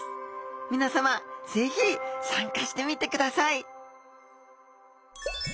皆さま是非参加してみてください！